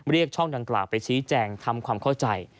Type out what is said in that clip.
ช่องดังกล่าวไปชี้แจงทำความเข้าใจ